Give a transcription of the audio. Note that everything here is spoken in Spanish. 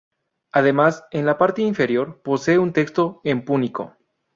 Además, en la parte inferior posee un texto en púnico.